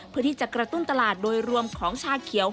เพื่อที่จะกระตุ้นตลาดโดยรวมของชาเขียว